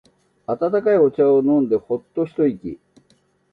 温かいお茶を飲んでホッと一息。